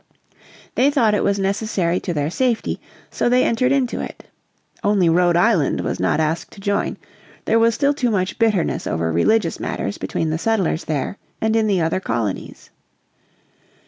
They thought it was necessary to their safety, so they entered into it. Only Rhode Island was not asked to join; there was still too much bitterness over religious matters between the settlers there and in the other colonies.